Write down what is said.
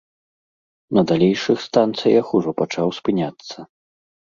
На далейшых станцыях ужо пачаў спыняцца.